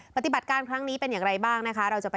ปฏิบัติการครั้งนี้เป็นอย่างไรบ้างนะคะ